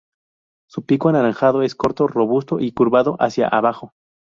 Su pico anaranjado es corto, robusto y curvado hacia abajo.